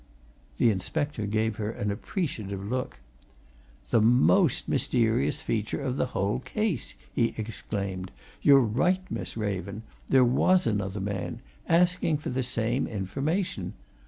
The inspector gave her an appreciative look. "The most mysterious feature of the whole case!" he exclaimed. "You're right, Miss Raven! There was another man asking for the same information.